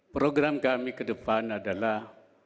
program kami ke depan adalah